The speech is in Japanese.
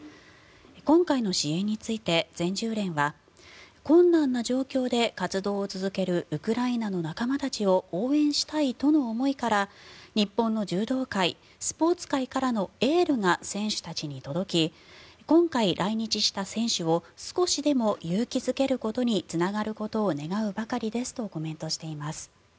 今回の支援について全柔連は困難な状況で活動を続けるウクライナの仲間たちを応援したいとの思いから日本の柔道界スポーツ界からのエールが選手たちに届き今回、来日した選手を少しでも勇気付けることにつながることを願うばかりとコメントしています。